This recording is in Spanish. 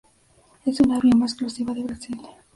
Es una bioma exclusiva de Brasil.